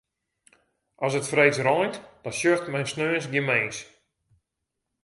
As it freeds reint, dan sjocht men sneons gjin mins.